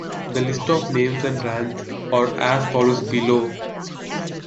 The list of names and rants are as follows below.